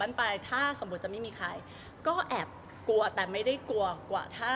เราก็ไม่ฉีดและไม่แบบว่า